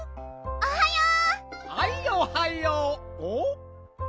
おはよう。